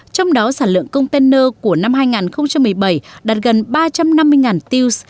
trong đó sản lượng container của năm hai nghìn một mươi bảy đạt gần ba trăm năm mươi tiêu